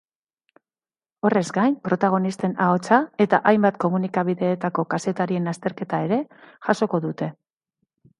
Horrez gain, protagonisten ahotsa eta hainbat komunikabideetako kazetarien azterketa ere jasoko dute.